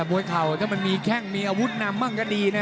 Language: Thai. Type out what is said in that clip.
มวยเข่าถ้ามันมีแข้งมีอาวุธนำบ้างก็ดีนะ